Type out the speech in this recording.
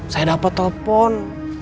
saya dapet telepon